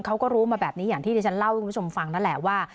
เขาก็รู้มาแบบนี้อย่างที่ดิฉันเล่าให้คุณผู้ชมฟังนั่นแหละว่า